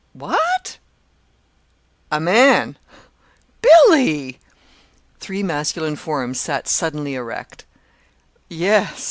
"Wha at?" "A man!" "Billy!" Three masculine forms sat suddenly erect. "Yes.